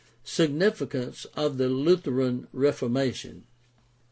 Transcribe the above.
Significance of the Lutheran Reformation.